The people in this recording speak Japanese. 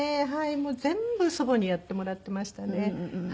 もう全部祖母にやってもらってましたね。